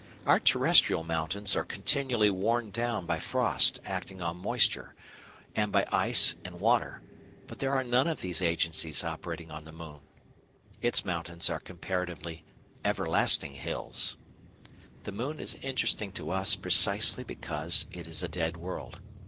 Our terrestrial mountains are continually worn down by frost acting on moisture and by ice and water, but there are none of these agencies operating on the moon. Its mountains are comparatively "everlasting hills." The moon is interesting to us precisely because it is a dead world.